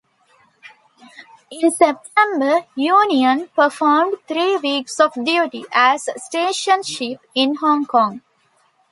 In September, "Union" performed three weeks of duty as station ship in Hong Kong.